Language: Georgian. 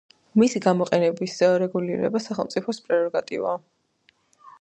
მისი გამოყენების რეგულირება სახელმწიფოს პრეროგატივაა.